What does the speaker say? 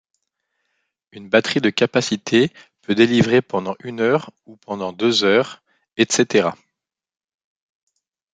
Une batterie de capacité peut délivrer pendant une heure ou pendant deux heures, etc.